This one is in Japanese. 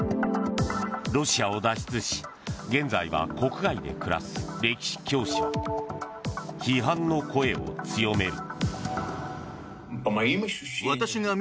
ロシアを脱出し現在は国外で暮らす歴史教師は批判の声を強める。